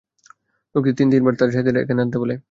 লোকটি তিন তিনবার তার সাথিদের এখানে আনতে বলে।